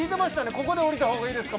ここで降りたほうがいいですか？